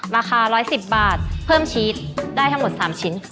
ราคา๑๑๐บาทเพิ่มชีสได้ทั้งหมด๓ชิ้น